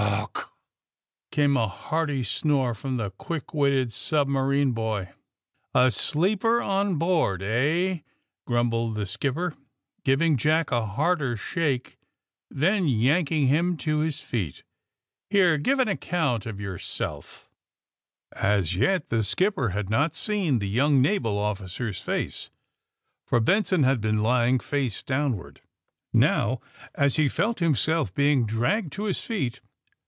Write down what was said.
*^ Gr r r r ! Awk !" came a hearty snore from the quick witted submarine boy. ^^A sleeper on board, ehV^ grumbled the skip per, giving Jack a harder shake, then yanking him to his feet. ^^Here, give an account of yourself.'' As yet the skipper had not seen the young naval officer's face, for Benson had been lying face downward. Now, as he felt himself being dragged to his feet.